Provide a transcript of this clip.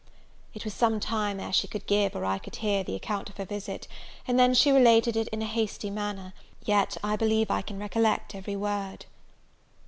It was some time ere she could give, or I could hear, the account of her visit; and then she related it in a hasty manner; yet, I believe I can recollect every word.